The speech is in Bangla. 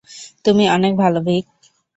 তুমি অনেক ভালো, ভিক।